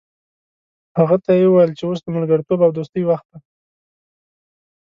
هغه ته یې وویل چې اوس د ملګرتوب او دوستۍ وخت دی.